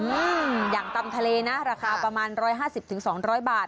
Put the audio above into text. อืมอย่างตำทะเลนะราคาประมาณ๑๕๐๒๐๐บาท